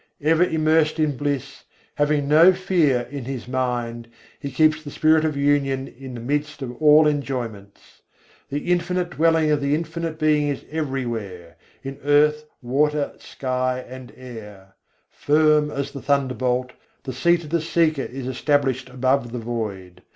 Ever immersed in bliss, having no fear in his mind, he keeps the spirit of union in the midst of all enjoyments. The infinite dwelling of the Infinite Being is everywhere: in earth, water, sky, and air: Firm as the thunderbolt, the seat of the seeker is established above the void.